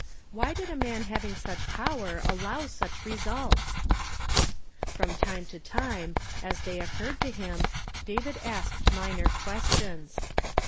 Why did a man having such power allow such results ? From time to time, as they occurred to him, David asked minor questions.